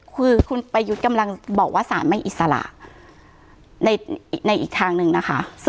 คือคุณประยุทธ์กำลังบอกว่าสารไม่อิสระในอีกทางหนึ่งนะคะ